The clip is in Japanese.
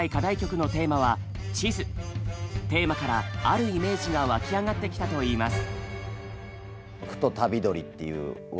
テーマからあるイメージが湧き上がってきたといいます。